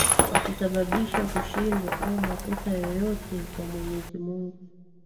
wakisababisha kushindwa au makosa yoyote kwa Mwenyezi Mungu